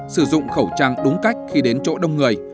sử dụng khẩu trang đúng cách khi đến chỗ đông người